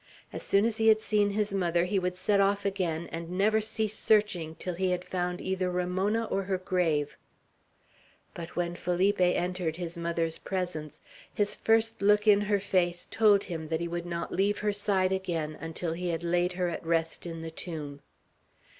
As soon as he had seen his mother, he would set off again, and never cease searching till he had found either Ramona or her grave. But when Felipe entered his mother's presence, his first look in her face told him that he would not leave her side again until he had laid her at rest in the tomb.